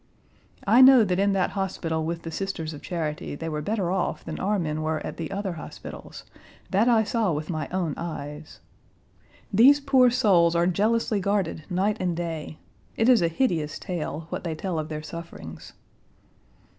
I know that in that hospital with the Sisters of Charity they were better off than our men were at the other hospitals: that I saw with my own eyes. These poor souls are jealously guarded night and day. It is a hideous tale what they tell of their sufferings.